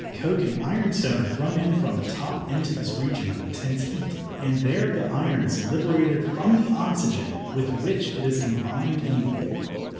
Coke and ironstone are thrown in from the top into this region of intense heat, and there the iron is liberated from the oxygen with which it is combined in the ore.